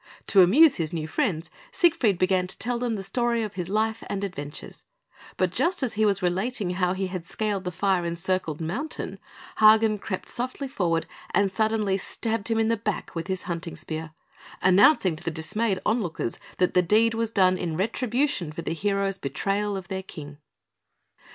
To amuse his new friends, Siegfried began to tell them the story of his life and adventures; but just as he was relating how he had scaled the fire encircled mountain, Hagen crept softly forward and suddenly stabbed him in the back with his hunting spear, announcing to the dismayed onlookers that the deed was done in retribution for the hero's betrayal of their King.